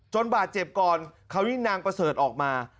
บาดเจ็บก่อนเขาวิ่งนางประเสริฐออกมา